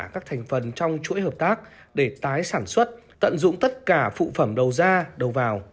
các thành phần trong chuỗi hợp tác để tái sản xuất tận dụng tất cả phụ phẩm đầu ra đầu vào